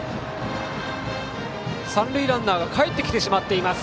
三塁ランナーがかえってしまっています。